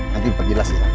nanti pergi lah silahkan